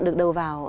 được đầu vào